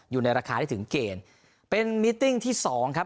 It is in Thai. อยู่ในราคาได้ถึงเกณฑ์เป็นมิติ้งที่สองครับ